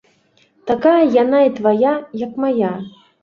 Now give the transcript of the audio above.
Такая яна і твая, як мая.